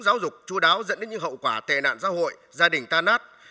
giáo dục chú đáo dẫn đến những hậu quả tệ nạn xã hội gia đình tan nát